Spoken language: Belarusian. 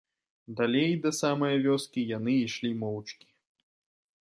Далей, да самае вёскі, яны ішлі моўчкі.